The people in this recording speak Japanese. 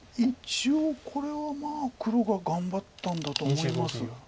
一応これは黒が頑張ったんだと思います。